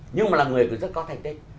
nhưng mà là người cũng rất có thành tích